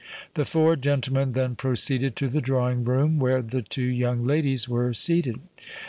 The four gentlemen then proceeded to the drawing room, where the two young ladies were seated.